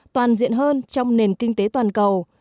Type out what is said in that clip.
toàn diện hơn trong nền kinh tế toàn cầu